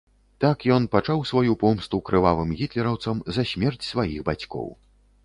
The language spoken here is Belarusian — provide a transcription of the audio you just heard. Так ён пачаў сваю помсту крывавым гітлераўцам за смерць сваіх бацькоў.